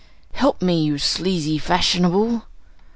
Help me you sleazy fashionable!"